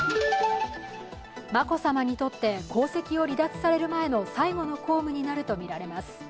眞子さまにとって皇籍を離脱される前の最後の公務になるとみられます。